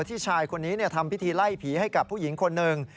ชายคนนี้ทำพิธีไล่ผีให้กับผู้หญิงคนหนึ่ง